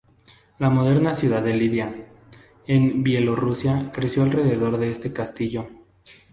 La moderna ciudad de Lida, en Bielorrusia creció alrededor de este castillo.